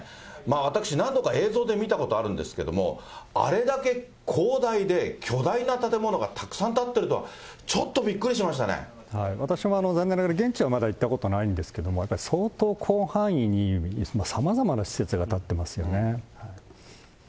私、何度か映像で見たことあるんですけども、あれだけ広大で巨大な建物がたくさん建ってるとは、ちょっとびっ私も、残念ながら、現地はまだ行ったことないんですけども、やっぱり相当広範囲にさまざまな施設が建ってますよね。